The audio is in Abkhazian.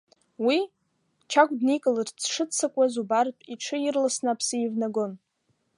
Уи, Чагә дникыларц дшыццакуаз убартә, иҽы ирласны аԥсы еивнагон.